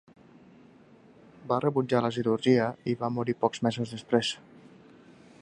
Va rebutjar la cirurgia i va morir pocs mesos després.